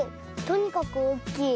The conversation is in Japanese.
とにかくおおきい。